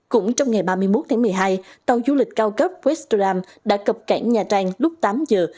cũng trong ngày ba mươi một tháng một mươi hai tàu du lịch cao cấp westram đã cập cảng nha trang lúc tám giờ